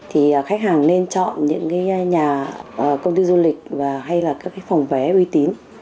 thì khách hàng nên chọn những nhà công ty du lịch và hay là các cái phòng vé uy tín